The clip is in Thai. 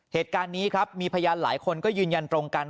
เหตุการณ์นี้ครับมีพยานหลายคนก็ยืนยันตรงกัน